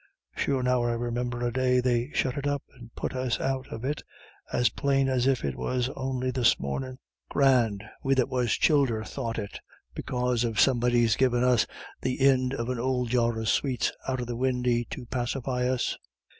Sure now I remimber the day they shut it up, and put us out of it, as plain as if it was on'y this mornin'. Grand we that was childer thought it, because of somebody givin' us the ind of an ould jar of sweets out of the windy to pacify us.